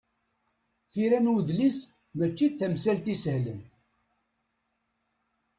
Tira n udlis mačči d tamsalt isehlen.